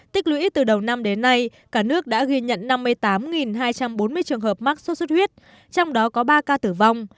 tích lũy từ đầu năm đến nay cả nước đã ghi nhận năm mươi tám hai trăm bốn mươi trường hợp mắc sốt xuất huyết trong đó có ba ca tử vong